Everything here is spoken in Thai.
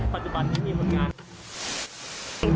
ปัจจุบันนี้มีผลงาน